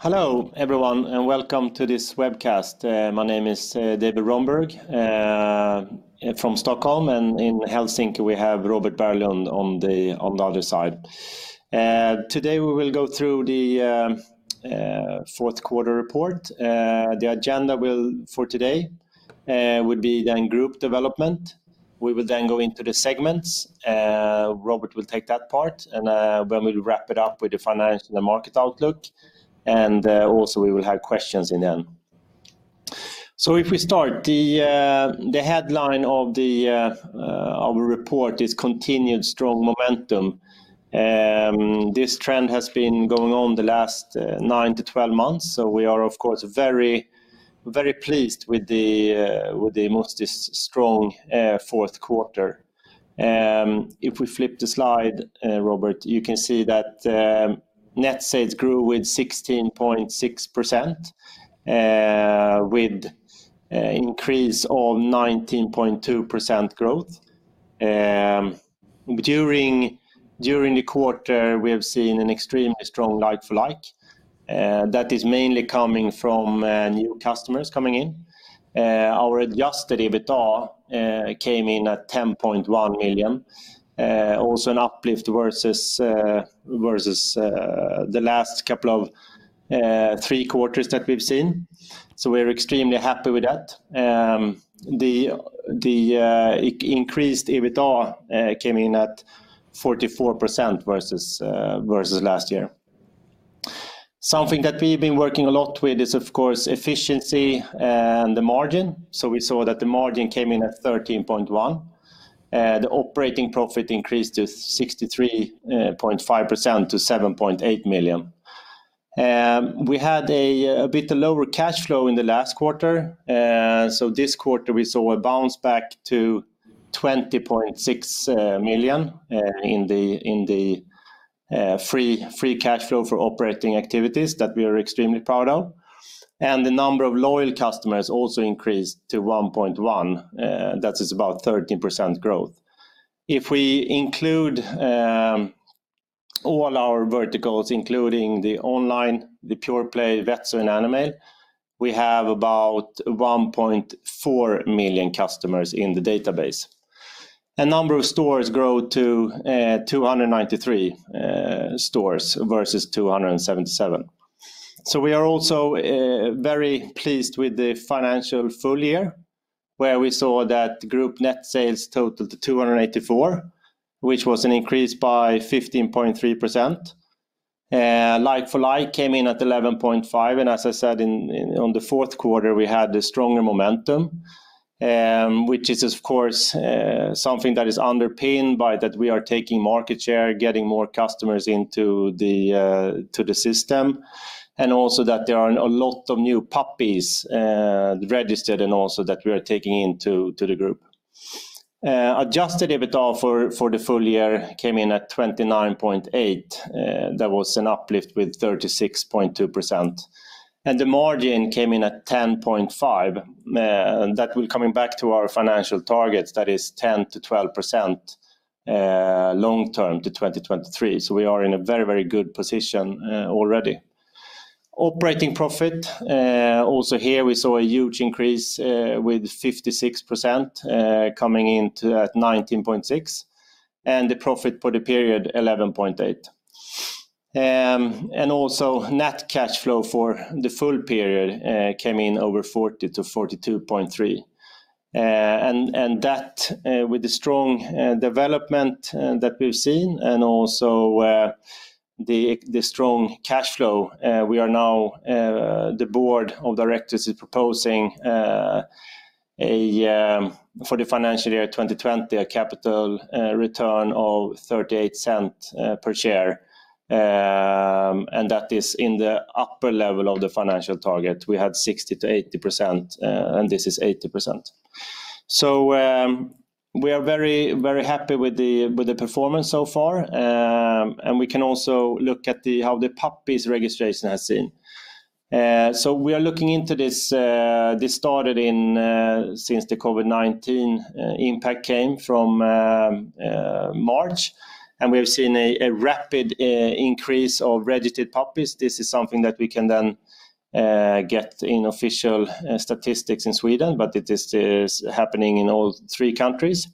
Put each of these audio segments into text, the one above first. Hello everyone, and welcome to this webcast. My name is David Rönnberg from Stockholm, and in Helsinki we have Robert Berglund on the other side. Today we will go through the fourth quarter report. The agenda for today will be group development. We will then go into the segments. Robert will take that part, then we'll wrap it up with the finance and the market outlook. Also we will have questions in the end. If we start, the headline of our report is continued strong momentum. This trend has been going on the last 9-12 months. We are, of course, very pleased with the Musti's strong fourth quarter. If we flip the slide, Robert, you can see that net sales grew with 16.6%, with an increase of 19.2% growth. During the quarter, we have seen an extremely strong like-for-like. That is mainly coming from new customers coming in. Our adjusted EBITDA came in at 10.1 million. Also an uplift versus the last couple of three quarters that we've seen. We're extremely happy with that. The increased EBITDA came in at 44% versus last year. Something that we've been working a lot with is, of course, efficiency and the margin. We saw that the margin came in at 13.1%. The operating profit increased to 63.5% to 7.8 million. We had a bit lower cash flow in the last quarter. This quarter we saw a bounce back to 20.6 million in the free cash flow for operating activities that we are extremely proud of. The number of loyal customers also increased to 1.1 million customers. That is about 13% growth. If we include all our verticals, including the online, the pure play, VetZoo, and Animail, we have about 1.4 million customers in the database. A number of stores grow to 293 stores versus 277 stores. We are also very pleased with the financial full year, where we saw that group net sales totaled to 284 million, which was an increase by 15.3%. Like-for-like came in at 11.5%, and as I said, on the fourth quarter, we had a stronger momentum, which is, of course, something that is underpinned by that we are taking market share, getting more customers into the system, and also that there are a lot of new puppies registered and also that we are taking into the group. Adjusted EBITDA for the full year came in at 29.8 million. That was an uplift with 36.2%. The margin came in at 10.5%, and that will coming back to our financial targets, that is 10%-12% long term to 2023. We are in a very good position already. Operating profit, also here we saw a huge increase with 56% coming into at 19.6 million, and the profit for the period 11.8 million. Also net cash flow for the full period came in over 40 million-42.3 million. That with the strong development that we've seen and also the strong cash flow, the board of directors is proposing for the financial year 2020, a capital return of 0.38 per share, and that is in the upper level of the financial target. We had 60%-80%, and this is 80%. We are very happy with the performance so far, and we can also look at how the puppies registration has seen. We are looking into this. This started since the COVID-19 impact came from March, and we have seen a rapid increase of registered puppies. This is something that we can then get in official statistics in Sweden, but it is happening in all three countries.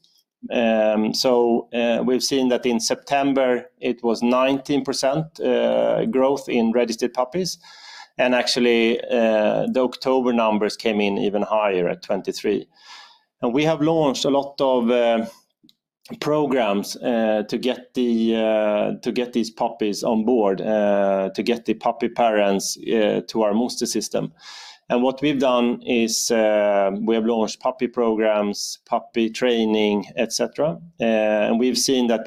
We've seen that in September, it was 19% growth in registered puppies. Actually, the October numbers came in even higher at 23%. We have launched a lot of programs to get these puppies on board, to get the puppy parents to our Musti system. What we've done is, we have launched puppy programs, puppy training, et cetera. We've seen that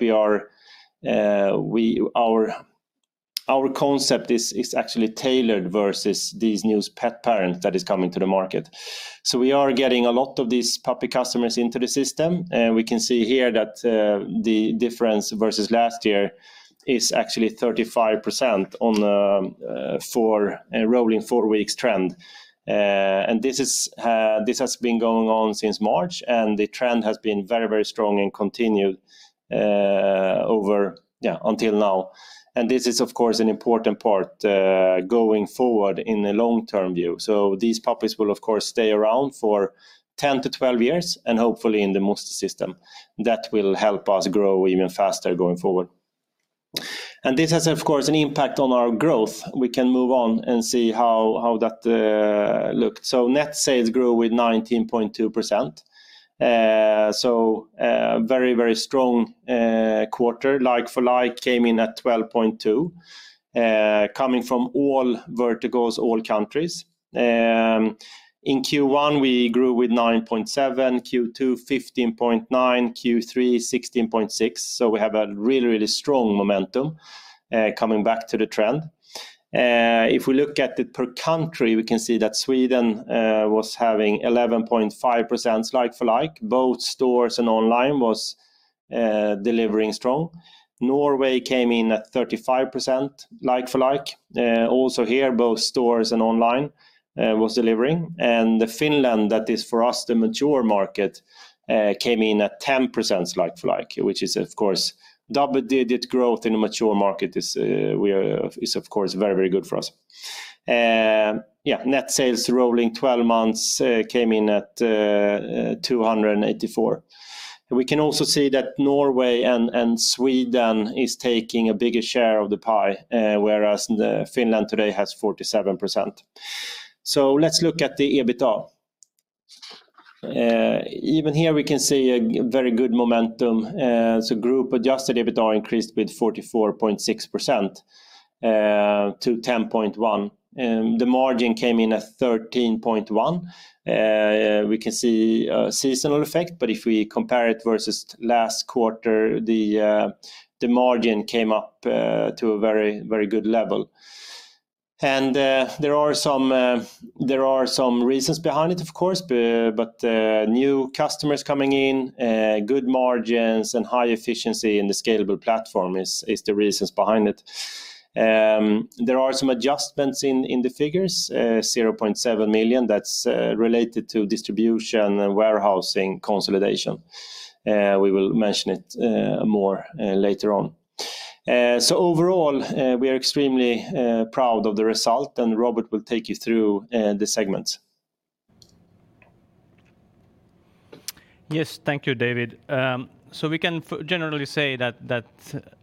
our concept is actually tailored versus these new pet parents that is coming to the market. We are getting a lot of these puppy customers into the system. We can see here that the difference versus last year is actually 35% on a rolling four weeks trend. This has been going on since March, and the trend has been very strong and continued until now. This is, of course, an important part going forward in the long-term view. These puppies will, of course, stay around for 10-12 years, and hopefully in the Musti system. That will help us grow even faster going forward. This has, of course, an impact on our growth. We can move on and see how that looked. Net sales grew with 19.2%, a very strong quarter. Like-for-like came in at 12.2%, coming from all verticals, all countries. In Q1, we grew with 9.7%, Q2 15.9%, Q3 16.6%. We have a really strong momentum coming back to the trend. If we look at it per country, we can see that Sweden was having 11.5% like-for-like. Both stores and online was delivering strong. Norway came in at 35% like-for-like. Also here, both stores and online was delivering. Finland, that is for us the mature market, came in at 10% like-for-like, which is of course double-digit growth in a mature market is of course very good for us. net sales rolling 12 months came in at 284. We can also see that Norway and Sweden is taking a bigger share of the pie, whereas Finland today has 47%. Let's look at the EBITDA. Even here we can see a very good momentum. group-adjusted EBITDA increased with 44.6% to 10.1, and the margin came in at 13.1%. We can see a seasonal effect. If we compare it versus last quarter, the margin came up to a very good level. There are some reasons behind it, of course, but new customers coming in, good margins, and high efficiency in the scalable platform is the reasons behind it. There are some adjustments in the figures, 0.7 million that's related to distribution and warehousing consolidation. We will mention it more later on. Overall, we are extremely proud of the result, and Robert will take you through the segments. Yes. Thank you, David. We can generally say that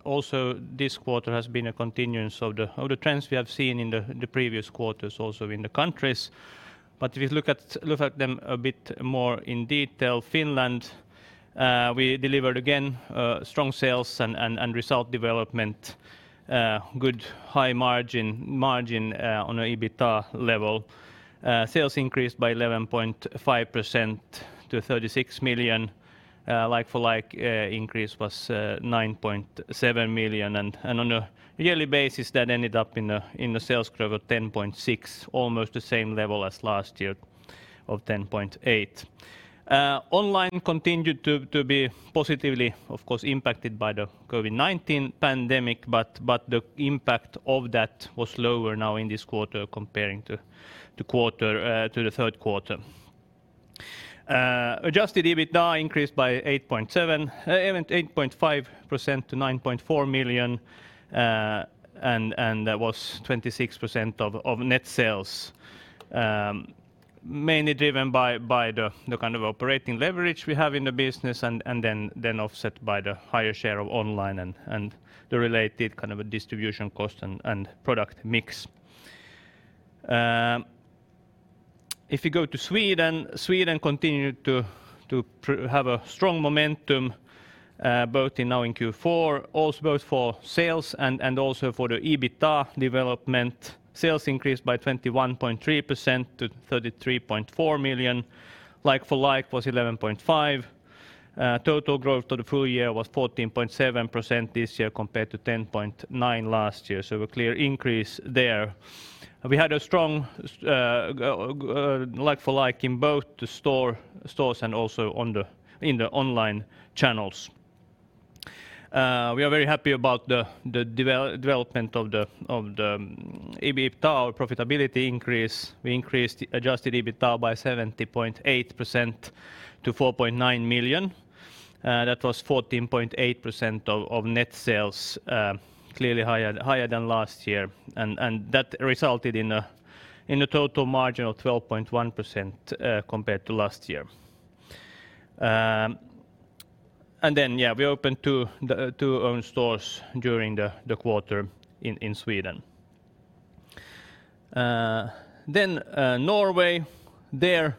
also this quarter has been a continuance of the trends we have seen in the previous quarters also in the countries. If we look at them a bit more in detail, Finland, we delivered again strong sales and result development, good high margin on an EBITDA level. Sales increased by 11.5% to 36 million. Like-for-like increase was 9.7 million, and on a yearly basis, that ended up in a sales growth of 10.6%, almost the same level as last year of 10.8%. Online continued to be positively, of course, impacted by the COVID-19 pandemic, but the impact of that was lower now in this quarter comparing to the third quarter. Adjusted EBITDA increased by 8.5% to 9.4 million, and that was 26% of net sales, mainly driven by the kind of operating leverage we have in the business and then offset by the higher share of online and the related kind of distribution cost and product mix. If you go to Sweden continued to have a strong momentum both now in Q4, both for sales and also for the EBITDA development. Sales increased by 21.3% to 33.4 million. Like-for-like was 11.5%. Total growth to the full year was 14.7% this year compared to 10.9% last year. A clear increase there. We had a strong like-for-like in both the stores and also in the online channels. We are very happy about the development of the EBITDA profitability increase. We increased adjusted EBITDA by 70.8% to 4.9 million. That was 14.8% of net sales, clearly higher than last year, that resulted in a total margin of 12.1% compared to last year. We opened two own stores during the quarter in Sweden. Norway. There,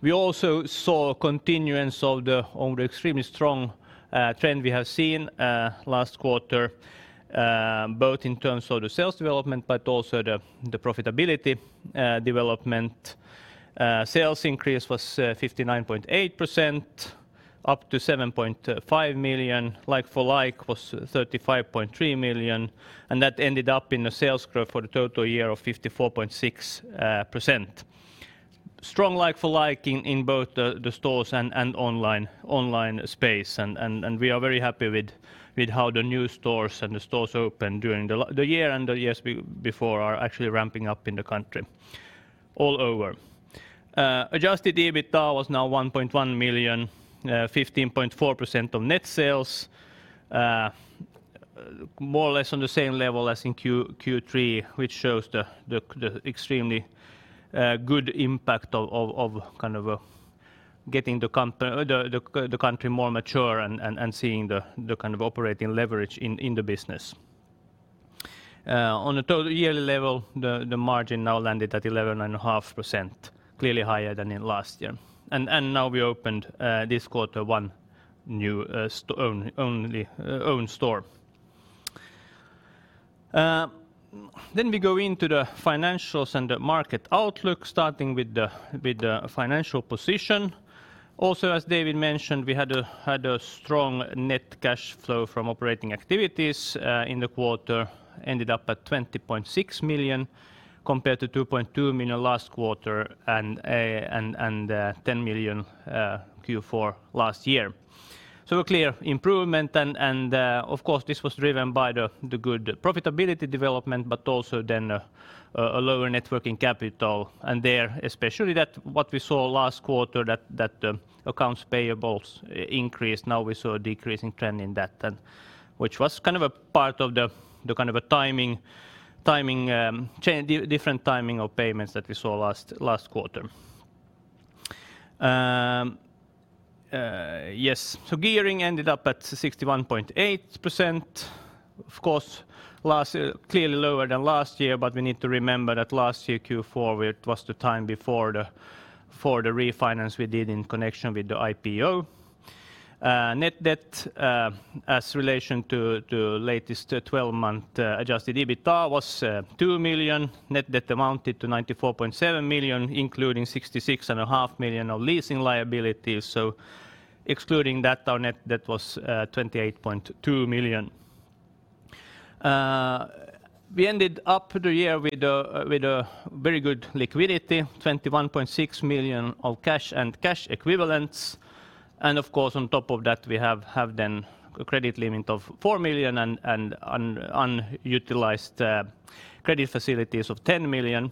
we also saw a continuance of the extremely strong trend we have seen last quarter, both in terms of the sales development, but also the profitability development. Sales increase was 59.8%, up to 7.5 million. like-for-like was 35.3 million, that ended up in a sales growth for the total year of 54.6%. Strong like-for-like in both the stores and online space, we are very happy with how the new stores and the stores opened during the year and the years before are actually ramping up in the country all over. Adjusted EBITDA was now 1.1 million, 15.4% of net sales, more or less on the same level as in Q3, which shows the extremely good impact of kind of getting the country more mature and seeing the kind of operating leverage in the business. On a total yearly level, the margin now landed at 11.5%, clearly higher than in last year. Now we opened, this quarter, one new owned store. We go into the financials and the market outlook, starting with the financial position. Also, as David mentioned, we had a strong net cash flow from operating activities in the quarter, ended up at 20.6 million compared to 2.2 million last quarter and 10 million Q4 last year. A clear improvement and of course, this was driven by the good profitability development, but also then a lower net working capital. There, especially what we saw last quarter, that accounts payables increased. We saw a decreasing trend in that, which was kind of a part of the different timing of payments that we saw last quarter. Yes. Gearing ended up at 61.8%. Of course, clearly lower than last year, we need to remember that last year, Q4, it was the time before the refinance we did in connection with the IPO. Net debt as relation to latest 12-month adjusted EBITDA was 2 million. Net debt amounted to 94.7 million, including 66.5 million of leasing liabilities. Excluding that, our net debt was 28.2 million. We ended up the year with a very good liquidity, 21.6 million of cash and cash equivalents. Of course, on top of that, we have a credit limit of 4 million and unutilized credit facilities of 10 million.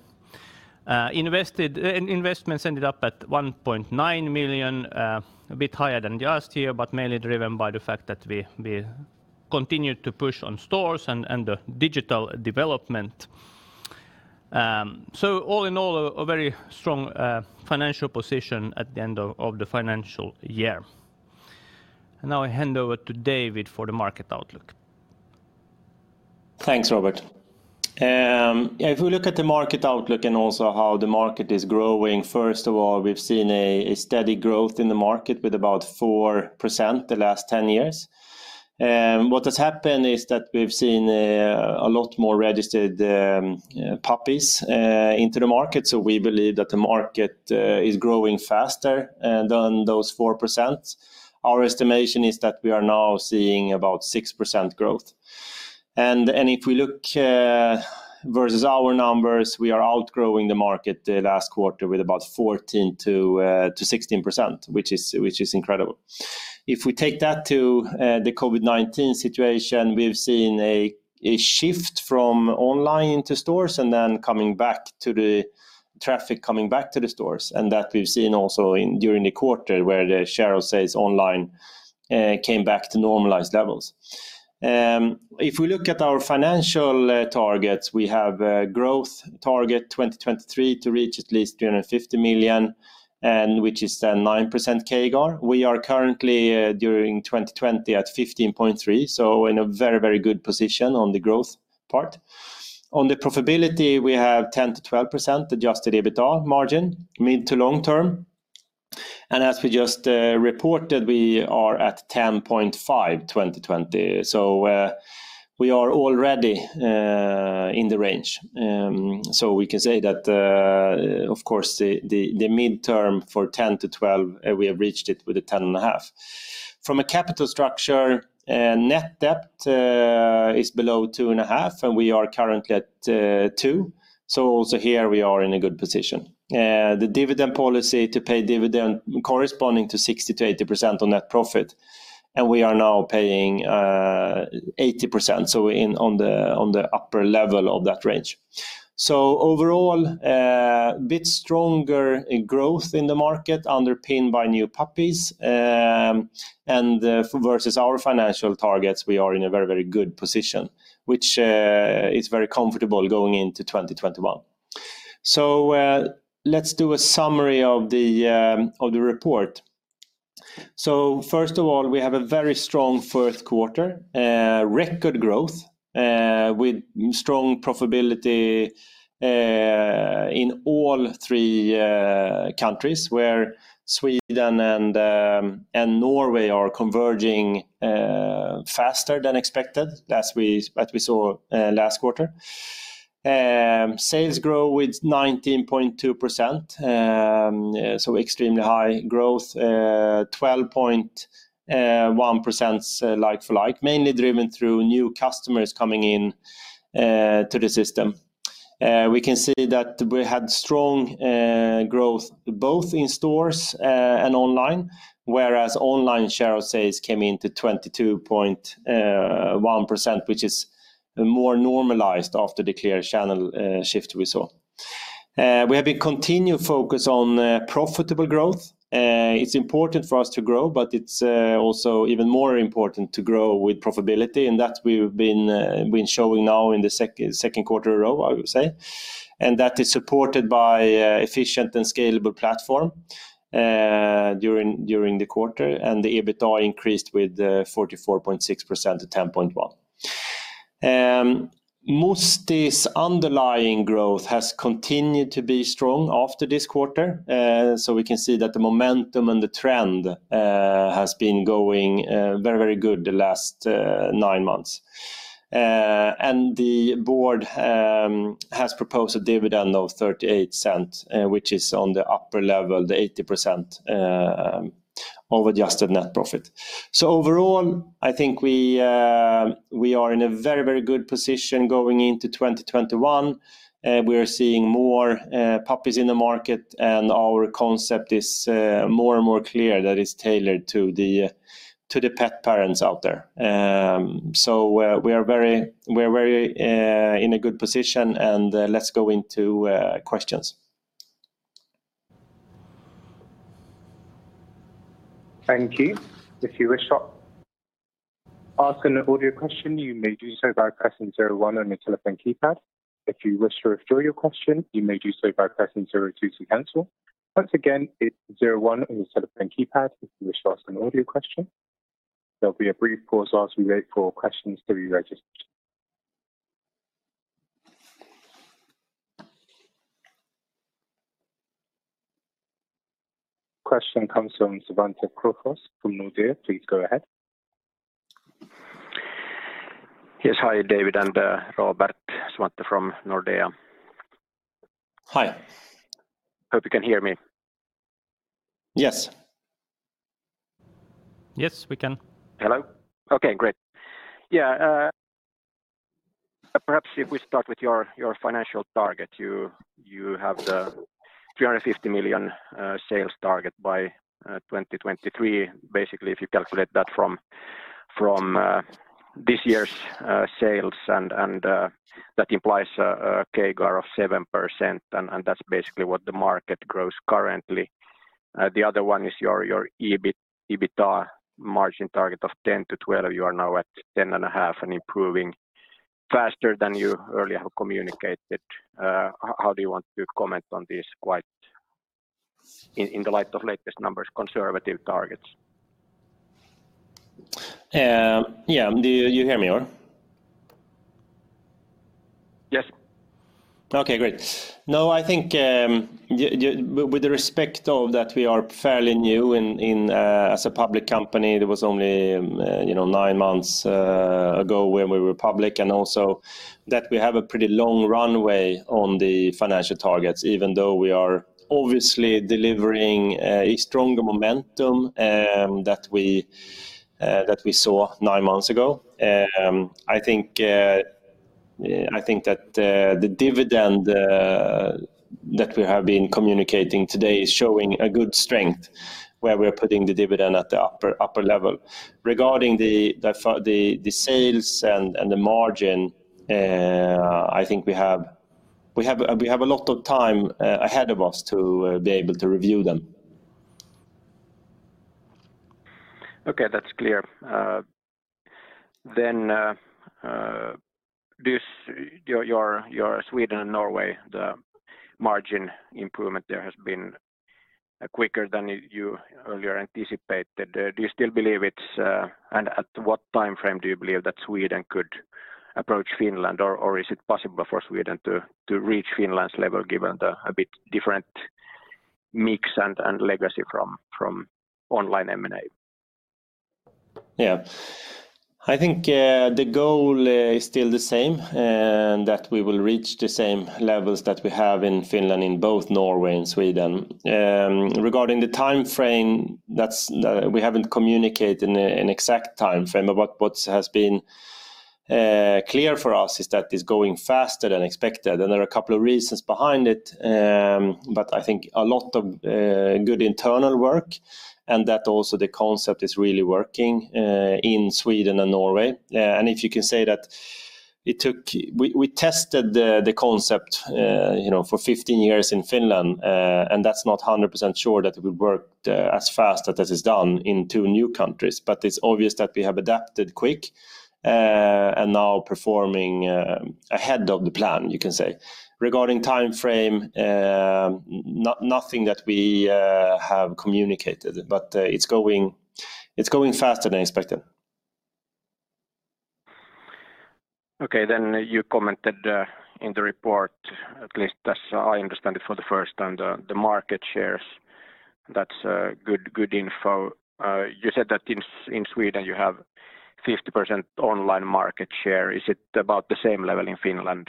Investments ended up at 1.9 million, a bit higher than last year, but mainly driven by the fact that we continued to push on stores and the digital development. All in all, a very strong financial position at the end of the financial year. Now I hand over to David for the market outlook. Thanks, Robert. If we look at the market outlook and also how the market is growing, first of all, we've seen a steady growth in the market with about 4% the last 10 years. What has happened is that we've seen a lot more registered puppies into the market. We believe that the market is growing faster than those 4%. Our estimation is that we are now seeing about 6% growth. If we look versus our numbers, we are outgrowing the market last quarter with about 14%-16%, which is incredible. If we take that to the COVID-19 situation, we've seen a shift from online to stores and then traffic coming back to the stores. That we've seen also during the quarter where the share of sales online came back to normalized levels. If we look at our financial targets, we have a growth target 2023 to reach at least 350 million, which is then 9% CAGR. We are currently during 2020 at 15.3%, so in a very good position on the growth part. On the profitability, we have 10%-12% adjusted EBITDA margin mid to long term. As we just reported, we are at 10.5%, 2020. We can say that, of course, the midterm for 10%-12%, we have reached it with a 10.5%. From a capital structure, net debt is below 2.5%, and we are currently at 2%. Also here we are in a good position. The dividend policy to pay dividend corresponding to 60%-80% on net profit, and we are now paying 80%, so on the upper level of that range. Overall, a bit stronger growth in the market underpinned by new puppies. Versus our financial targets, we are in a very, very good position, which is very comfortable going into 2021. Let's do a summary of the report. First of all, we have a very strong fourth quarter, record growth with strong profitability in all three countries where Sweden and Norway are converging faster than expected as we saw last quarter. Sales grow with 19.2%, so extremely high growth, 12.1% like-for-like, mainly driven through new customers coming in to the system. We can see that we had strong growth both in stores and online, whereas online share of sales came in to 22.1%, which is more normalized after the clear channel shift we saw. We have a continued focus on profitable growth. It's important for us to grow, but it's also even more important to grow with profitability. That we've been showing now in the second quarter a row, I would say. That is supported by efficient and scalable platform during the quarter. The EBITDA increased with 44.6% to 10.1. Musti's underlying growth has continued to be strong after this quarter. We can see that the momentum and the trend has been going very good the last nine months. The board has proposed a dividend of 0.38, which is on the upper level, the 80% of adjusted net profit. Overall, I think we are in a very good position going into 2021. We are seeing more puppies in the market. Our concept is more and more clear that it's tailored to the pet parents out there. We are in a very good position and let's go into questions. Thank you. If you wish to ask an audio question, you may do so by pressing zero one on your telephone keypad. If you wish to withdraw your question, you may do so by pressing zero two to cancel. Once again, it's zero one on your telephone keypad if you wish to ask an audio question. There will be a brief pause as we wait for questions to be registered. Question comes from Svante Krokfors from Nordea. Please go ahead. Yes, hi, David and Robert. Svante from Nordea. Hi. Hope you can hear me. Yes. Yes, we can. Hello. Okay, great. Yeah. Perhaps if we start with your financial target. You have the 350 million sales target by 2023. Basically, if you calculate that from this year's sales, and that implies a CAGR of 7%, and that's basically what the market grows currently. The other one is your EBITDA margin target of 10%-12%. You are now at 10.5% and improving faster than you earlier have communicated. How do you want to comment on this quite, in light of latest numbers, conservative targets? Yeah. Do you hear me all? Yes. Okay, great. I think with the respect of that we are fairly new as a public company, it was only nine months ago when we were public, and also that we have a pretty long runway on the financial targets, even though we are obviously delivering a stronger momentum that we saw nine months ago. I think that the dividend that we have been communicating today is showing a good strength where we're putting the dividend at the upper level. Regarding the sales and the margin, I think we have a lot of time ahead of us to be able to review them. Okay, that's clear. Your Sweden and Norway, the margin improvement there has been quicker than you earlier anticipated. At what timeframe do you believe that Sweden could approach Finland? Is it possible for Sweden to reach Finland's level given the bit different mix and legacy from online M&A? Yeah. I think the goal is still the same, that we will reach the same levels that we have in Finland in both Norway and Sweden. Regarding the timeframe, we haven't communicated an exact timeframe, but what has been clear for us is that it's going faster than expected, and there are a couple of reasons behind it. I think a lot of good internal work, and that also the concept is really working in Sweden and Norway. If you can say that we tested the concept for 15 years in Finland, and that's not 100% sure that it would work as fast as it has done in two new countries. It's obvious that we have adapted quick, and now performing ahead of the plan, you can say. Regarding timeframe, nothing that we have communicated, but it's going faster than expected. Okay, you commented in the report, at least as I understand it for the first time, the market shares. That's good info. You said that in Sweden, you have 50% online market share. Is it about the same level in Finland?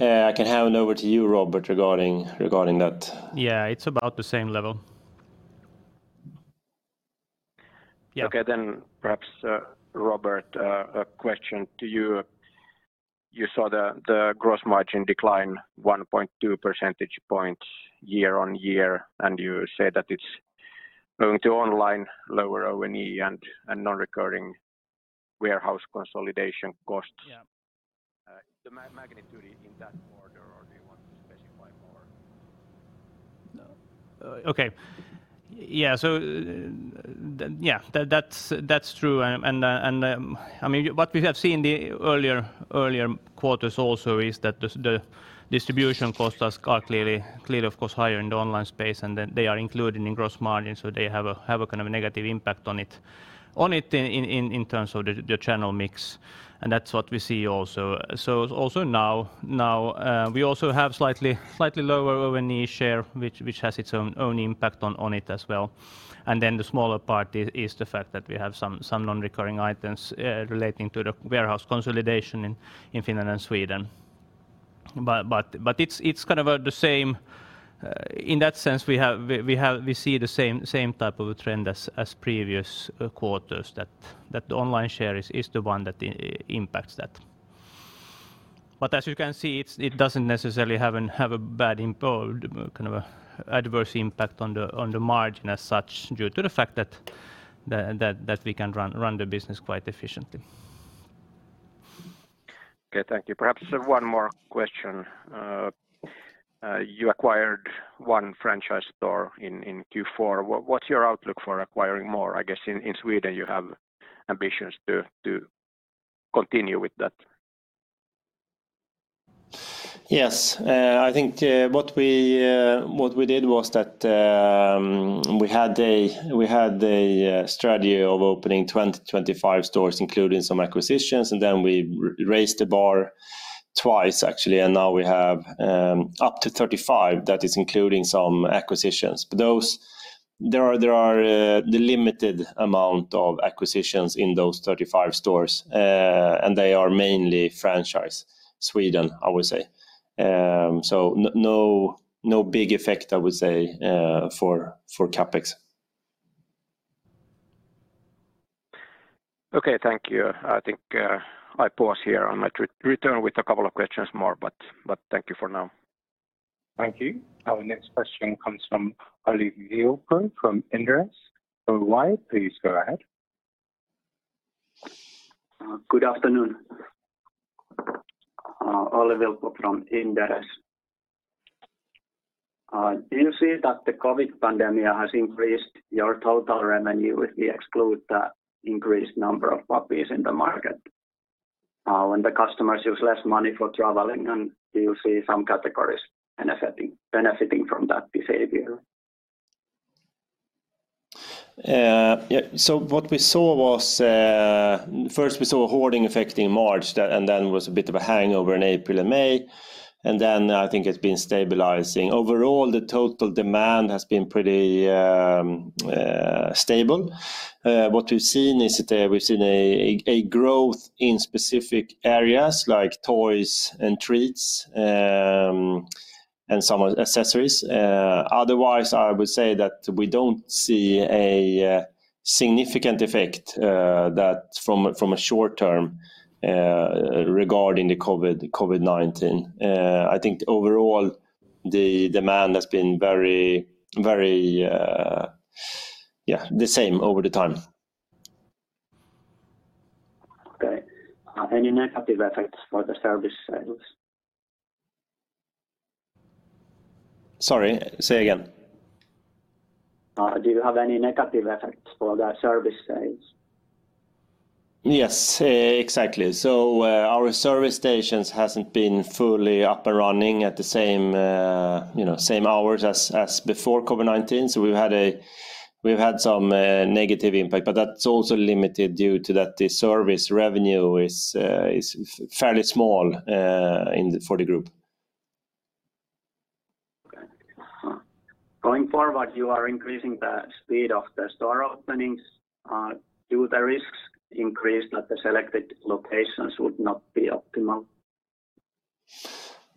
I can hand over to you, Robert, regarding that. Yeah, it's about the same level. Okay, perhaps, Robert, a question to you. You saw the gross margin decline 1.2 percentage points year-on-year, you say that it's going to online lower O&E and non-recurring warehouse consolidation costs. Yeah. The magnitude in that order, or do you want to specify more? No. Okay. Yeah, that's true. What we have seen in the earlier quarters also is that the distribution costs are clearly of course higher in the online space, and then they are included in gross margin, so they have a kind of a negative impact on it in terms of the channel mix, and that's what we see also. Also now we also have slightly lower O&E share, which has its own impact on it as well. The smaller part is the fact that we have some non-recurring items relating to the warehouse consolidation in Finland and Sweden. It's kind of the same in that sense. We see the same type of trend as previous quarters that the online share is the one that impacts that. As you can see, it doesn't necessarily have a bad impact, kind of adverse impact on the margin as such due to the fact that we can run the business quite efficiently. Okay, thank you. Perhaps one more question. You acquired one franchise store in Q4. What's your outlook for acquiring more? I guess in Sweden you have ambitions to continue with that. I think what we did was that we had a strategy of opening 20 stores to 25 stores, including some acquisitions, and then we raised the bar twice, actually, and now we have up to 35 stores. That is including some acquisitions. There are the limited amount of acquisitions in those 35 stores, and they are mainly franchise Sweden, I would say. No big effect, I would say for CapEx. Okay, thank you. I think I pause here. I might return with a couple of questions more, but thank you for now. Thank you. Our next question comes from Olli Vilppo from Inderes. Olli, please go ahead. Good afternoon. Olli Vilppo from Inderes. Do you see that the COVID pandemic has increased your total revenue if we exclude the increased number of puppies in the market when the customers use less money for traveling, and do you see some categories benefiting from that behavior? What we saw was first we saw hoarding effect in March, and then was a bit of a hangover in April and May. I think it's been stabilizing. Overall, the total demand has been pretty stable. What we've seen is we've seen a growth in specific areas like toys and treats and some accessories. Otherwise, I would say that we don't see a significant effect from a short term regarding the COVID-19. I think overall the demand has been very the same over the time. Okay. Any negative effects for the service sales? Sorry, say again? Do you have any negative effects for the service sales? Yes, exactly. Our service stations hasn't been fully up and running at the same hours as before COVID-19. We've had some negative impact, but that's also limited due to that the service revenue is fairly small for the group. Okay. Going forward, you are increasing the speed of the store openings. Do the risks increase that the selected locations would not be optimal?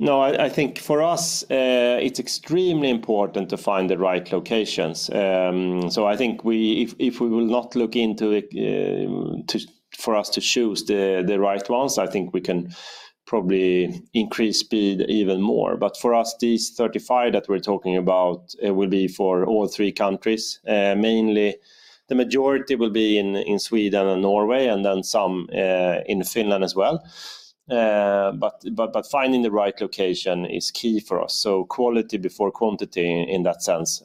I think for us, it's extremely important to find the right locations. I think if we will not look into it for us to choose the right ones, I think we can probably increase speed even more. For us, these 35 stores that we're talking about will be for all three countries. Mainly the majority will be in Sweden and Norway, and then some in Finland as well. Finding the right location is key for us. Quality before quantity in that sense.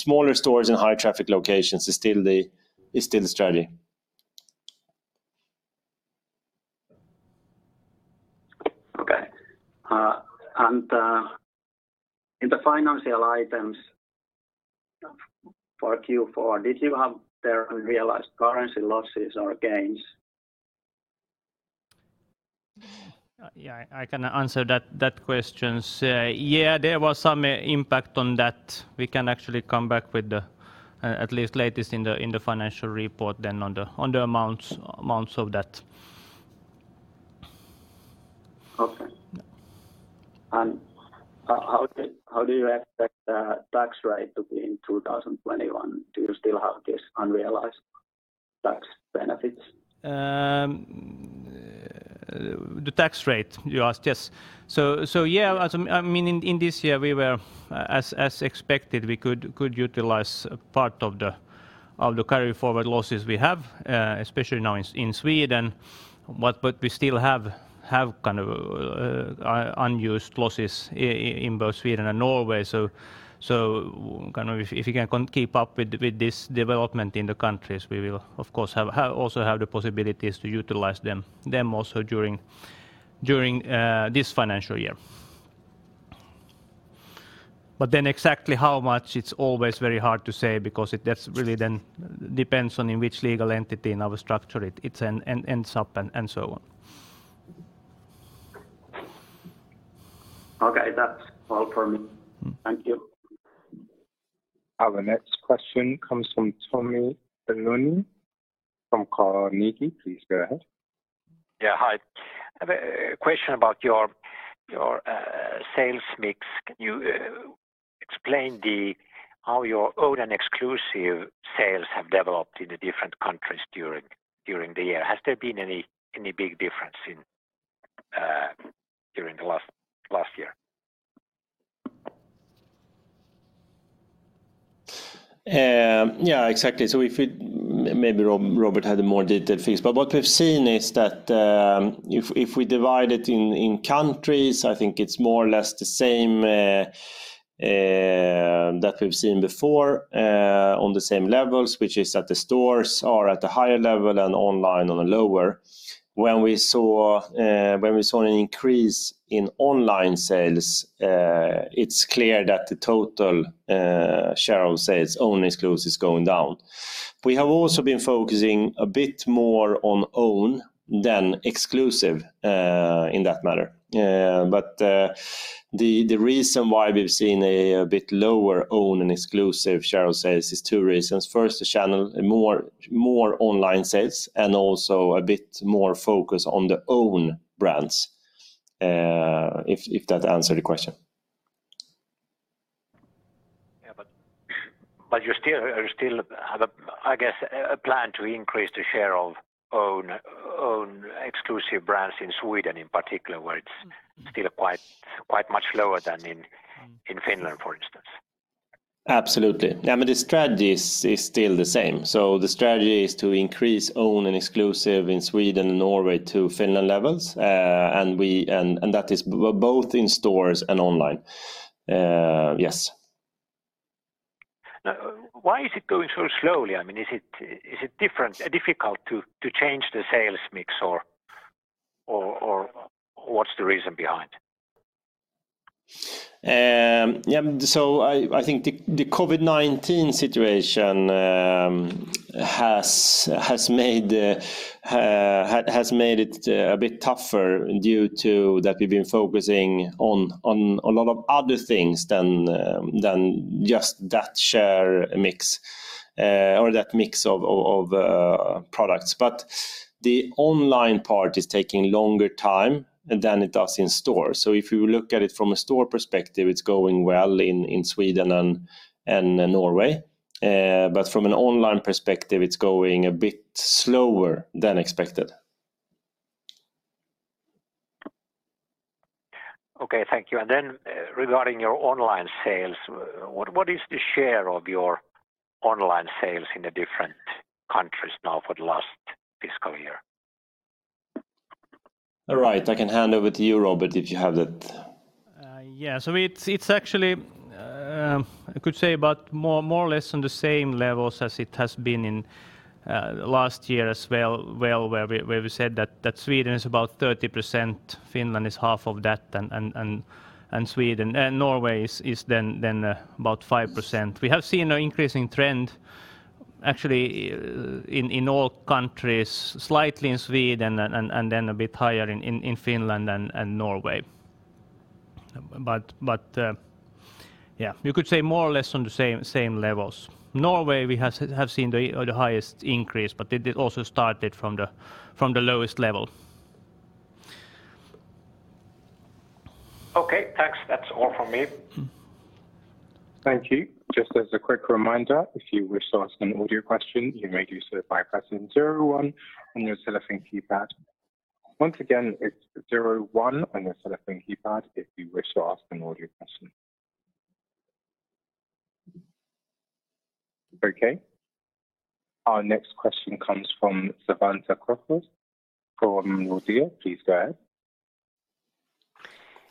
Smaller stores in high traffic locations is still the strategy. Okay. In the financial items for Q4, did you have there unrealized currency losses or gains? I can answer that question. There was some impact on that. We can actually come back with the at least latest in the financial report then on the amounts of that. Okay. How do you expect the tax rate to be in 2021? Do you still have these unrealized tax benefits? The tax rate, you asked. Yes. In this year, as expected, we could utilize part of the carry-forward losses we have, especially now in Sweden. We still have unused losses in both Sweden and Norway. If we can keep up with this development in the countries, we will, of course, also have the possibilities to utilize them also during this financial year. Then exactly how much, it's always very hard to say because that really then depends on, in which legal entity in our structure it ends up and so on. Okay. That's all from me. Thank you. Our next question comes from Tommy [Ilmoni] from Carnegie. Please go ahead. Yeah, hi. I have a question about your sales mix. Can you explain how your own and exclusive sales have developed in the different countries during the year? Has there been any big difference during the last year? Exactly. Maybe Robert has more detailed figures, but what we've seen is that if we divide it in countries, I think it's more or less the same that we've seen before on the same levels, which is that the stores are at a higher level and online on a lower. When we saw an increase in online sales, it's clear that the total share of sales own exclusive is going down. We have also been focusing a bit more on own than exclusive in that matter. The reason why we've seen a bit lower own and exclusive share of sales is two reasons. First, the channel, more online sales, and also a bit more focus on the own brands, if that answered the question. Yeah, you still have, I guess, a plan to increase the share of own exclusive brands in Sweden in particular, where it's still quite much lower than in Finland, for instance. Absolutely. The strategy is still the same. The strategy is to increase own and exclusive in Sweden and Norway to Finland levels, and that is both in stores and online. Yes. Why is it going so slowly? Is it difficult to change the sales mix, or what's the reason behind? I think the COVID-19 situation has made it a bit tougher due to that we've been focusing on a lot of other things than just that share mix or that mix of products. The online part is taking longer time than it does in store. If you look at it from a store perspective, it's going well in Sweden and Norway. From an online perspective, it's going a bit slower than expected. Okay, thank you. Regarding your online sales, what is the share of your online sales in the different countries now for the last fiscal year? All right. I can hand over to you, Robert, if you have that. Yeah. It's actually, I could say about more or less on the same levels as it has been in last year as well, where we said that Sweden is about 30%, Finland is half of that, and Norway is then about 5%. We have seen an increasing trend actually in all countries, slightly in Sweden and then a bit higher in Finland and Norway. Yeah, you could say more or less on the same levels. Norway, we have seen the highest increase, but it also started from the lowest level. Okay, thanks. That's all from me. Thank you. Just as a quick reminder, if you wish to ask an audio question, you may do so by pressing zero one on your telephone keypad. Once again, it's zero one on your telephone keypad if you wish to ask an audio question. Okay. Our next question comes from Svante Krokfors from Nordea. Please go ahead.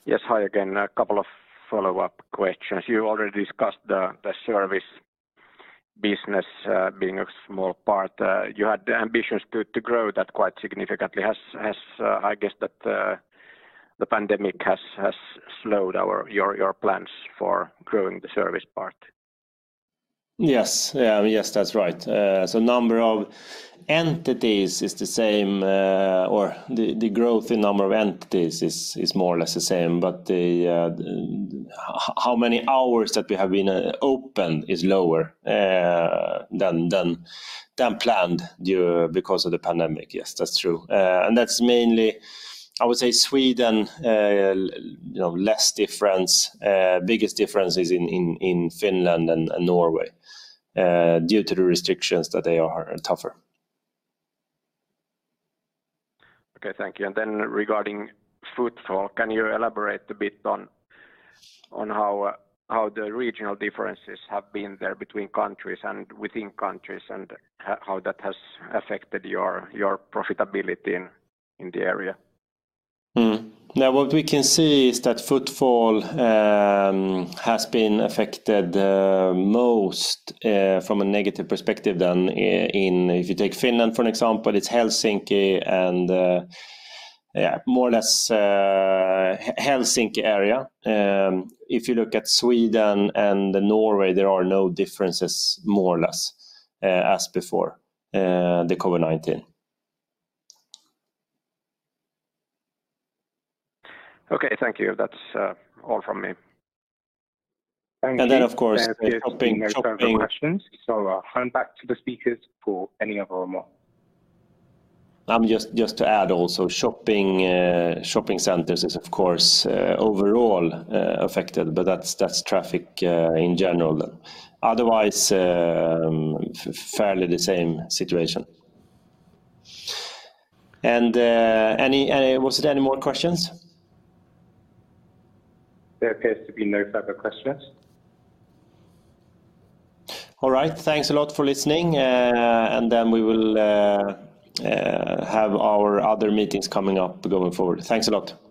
Yes, hi again. A couple of follow-up questions. You already discussed the service business being a small part. You had the ambitions to grow that quite significantly. I guess that the pandemic has slowed your plans for growing the service part. Yes. That's right. Number of entities is the same, or the growth in number of entities is more or less the same, but how many hours that we have been open is lower than planned due because of the pandemic. Yes, that's true. That's mainly, I would say, Sweden, less difference. Biggest difference is in Finland and Norway due to the restrictions that they are tougher. Okay, thank you. Regarding footfall, can you elaborate a bit on how the regional differences have been there between countries and within countries and how that has affected your profitability in the area? What we can see is that footfall has been affected most from a negative perspective than in, if you take Finland, for example, it's Helsinki and more or less Helsinki area. If you look at Sweden and Norway, there are no differences, more or less, as before the COVID-19. Okay, thank you. That's all from me. Thank you. Of course. There appears to be no further questions, so I'll hand back to the speakers for any other remarks. Just to add also, shopping centers is, of course, overall affected. That's traffic in general. Otherwise, fairly the same situation. Was there any more questions? There appears to be no further questions. All right. Thanks a lot for listening. We will have our other meetings coming up going forward. Thanks a lot.